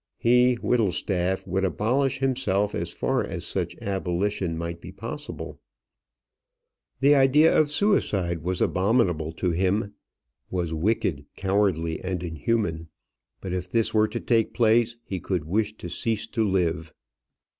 He, Whittlestaff, would abolish himself as far as such abolition might be possible. The idea of suicide was abominable to him was wicked, cowardly, and inhuman. But if this were to take place he could wish to cease to live.